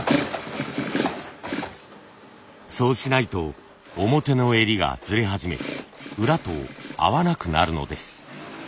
そうしないと表の襟がずれはじめ裏と合わなくなるのです。